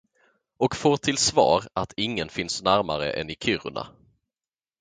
Och får till svar, att ingen finns närmare än i Kiruna.